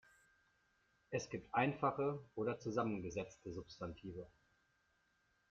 Es gibt einfache oder zusammengesetzte Substantive.